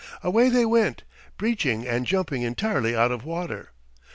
Away they went, breaching and jumping entirely out of water.